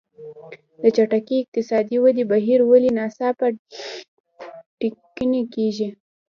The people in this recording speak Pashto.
د چټکې اقتصادي ودې بهیر ولې ناڅاپه ټکنی کېږي.